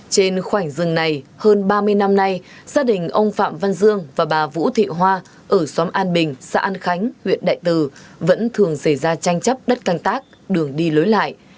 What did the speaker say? trên khoảnh rừng này hơn ba mươi năm nay gia đình ông phạm văn dương và bà vũ thị hoa ở xóm an bình xã an khánh huyện đại từ vẫn thường xảy ra tranh chấp đất canh tác đường đi lối lại